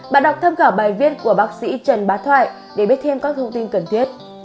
bạn đọc tham khảo bài viết của bác sĩ trần bá thoại để biết thêm các thông tin cần thiết